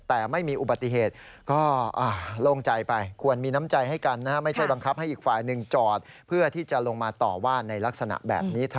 แต่ไม่มีอุบัติเหตุก็โล่งใจไปควรมีน้ำใจให้กันไม่ใช่บังคับให้อีกฝ่ายหนึ่งจอดเพื่อที่จะลงมาต่อว่าในลักษณะแบบนี้